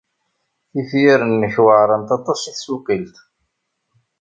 Tifyar-nnek weɛṛent aṭas i tsuqilt.